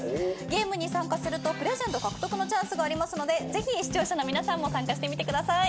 ゲームに参加するとプレゼント獲得のチャンスがありますのでぜひ視聴者の皆さんも参加してみてください。